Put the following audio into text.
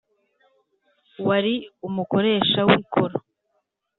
wari umukoresha w ikoro